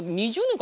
２０年。